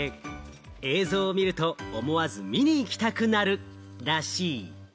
映像を見ると、思わず見に行きたくなるらしい。